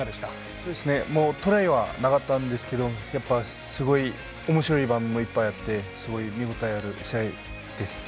トライはなかったんですけどすごいおもしろい場面もいっぱいあってすごい見応えある試合です。